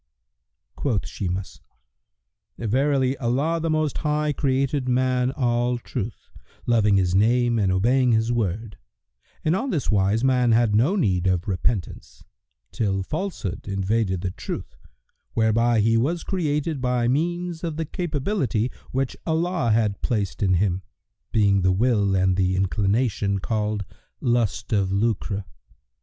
Quoth Shimas, "Verily Allah the Most High created man all Truth[FN#123], loving His name and obeying His word, and on this wise man had no need of repentance till Falsehood invaded the Truth whereby he was created by means of the capability[FN#124] which Allah had placed in him, being the will and the inclination called lust of lucre.